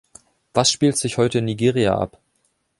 Was spielt sich heute in Nigeria ab?